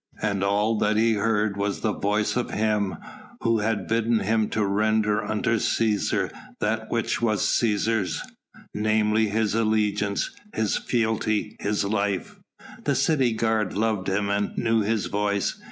And all that he heard was the voice of Him Who had bidden him to render unto Cæsar that which was Cæsar's, namely his allegiance, his fealty, his life. The city guard loved him and knew his voice.